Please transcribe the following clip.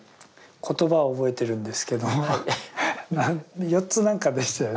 言葉は覚えてるんですけども四つ何かでしたよね。